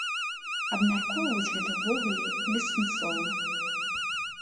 Абмяркоўваць гэта ўвогуле бессэнсоўна.